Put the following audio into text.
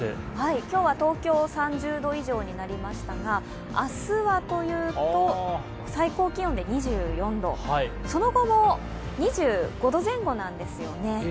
今日は東京は３０度以上になりましたが、明日はというと、最高気温で２４度、その後も２５度前後なんですよね。